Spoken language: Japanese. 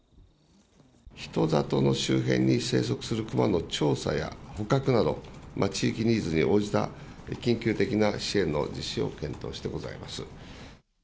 人里の周辺に生息するクマの調査や、捕獲など、地域ニーズに応じた緊急的な支援の実施を検討してございます。